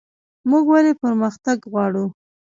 موږ ولې پرمختګ غواړو؟